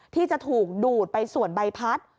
ที่จะถูกดูดไปส่วนใบพัด